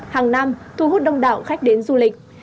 hàng năm thu hút đông đảo khách đến du lịch